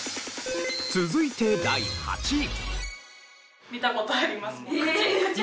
続いて第８位。